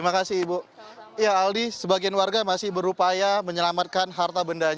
yang pastinya sebagian warga sudah berupaya menyelamatkan harta benda ini